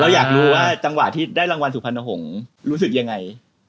อยากรู้ว่าจังหวะที่ได้รางวัลสุพรรณหงษ์รู้สึกยังไง